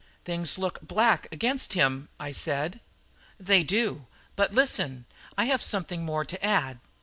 "Things look black against him," I said. "They do; but listen, I have something more to add.